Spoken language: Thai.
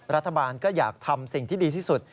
รัฐบาลก็อยากทำสิ่งที่ดีที่สุด